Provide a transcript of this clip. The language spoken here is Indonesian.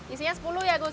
isinya rp sepuluh an ya gus